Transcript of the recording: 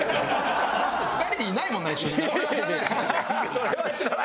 「それは知らない」？